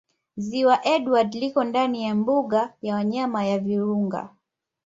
Ziwa Edward liko ndani ya Mbuga ya wanyama ya Virunga